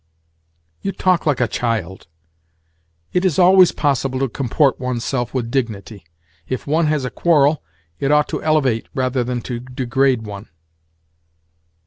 "You talk like a child. It is always possible to comport oneself with dignity. If one has a quarrel it ought to elevate rather than to degrade one."